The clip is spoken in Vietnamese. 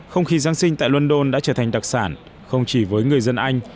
không khí giáng sinh tại london đã trở thành đặc sản không chỉ với người dân anh